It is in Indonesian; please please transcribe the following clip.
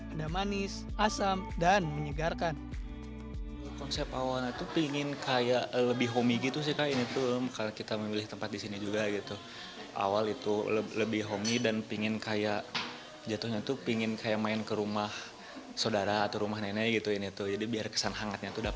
ada manis asam dan menyegarkan